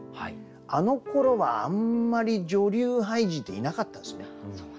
あのころはあんまり女流俳人っていなかったんですね。